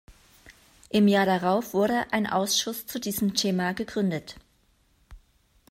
Im Jahr darauf wurde ein Ausschuss zu diesem Thema gegründet.